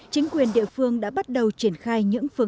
chính quyền địa phương đã bắt đầu triển khai